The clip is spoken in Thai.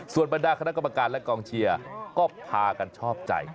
ส่วนบรรดาคณะกรรมการและกองเชียร์ก็พากันชอบใจ